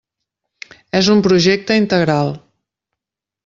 És un projecte integral.